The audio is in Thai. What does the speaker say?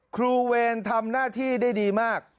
เวรทำหน้าที่ได้ดีมาก